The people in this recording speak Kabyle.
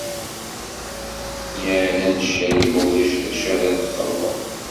Yya-n ad ncali ma ulac d acu ara txedmeḍ.